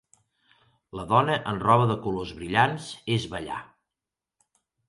La dona en roba de colors brillants és ballar.